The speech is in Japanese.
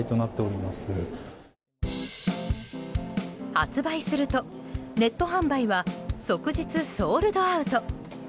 発売すると、ネット販売は即日ソールドアウト。